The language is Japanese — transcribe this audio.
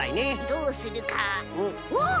どうするかおっ！